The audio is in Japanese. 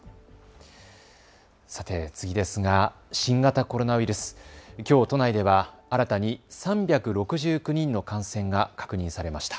さて次ですが新型コロナウイルス、きょう都内では新たに３６９人の感染が確認されました。